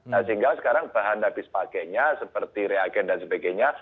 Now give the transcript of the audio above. nah sehingga sekarang bahan habis pakainya seperti reagen dan sebagainya